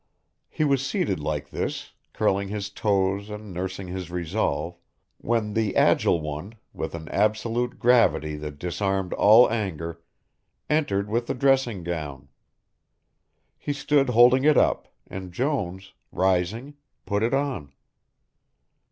He was seated like this, curling his toes and nursing his resolve, when the Agile One, with an absolute gravity that disarmed all anger, entered with the dressing gown. He stood holding it up, and Jones, rising, put it on.